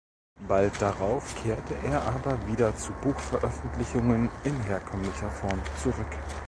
Bald darauf kehrte er aber wieder zu Buchveröffentlichungen in herkömmlicher Form zurück.